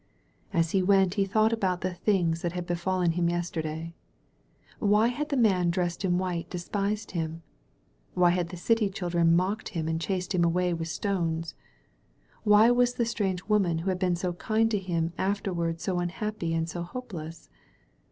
As he went he thought about the things that had befallen him yesterday. Why had the man dressed in white despised him? Why had the city children mocked him and chased him away with stones? Why was the strange woman who had been so kind to him afterward so unhappy and so hopeless